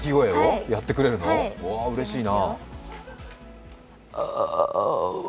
わあ、うれしいな。